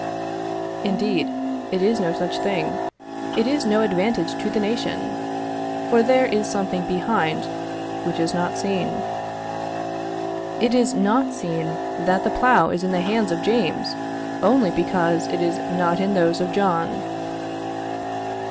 Indeed, it is no such thing; it is no advantage to the nation, for there is something behind which is not seen. It is not seen, that the plough is in the hands of James, only because it is not in those of John.